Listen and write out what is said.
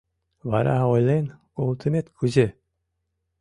Вара ойлен колтымет кузе?